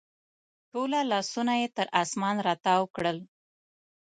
ټوله لاسونه یې تر اسمان راتاو کړل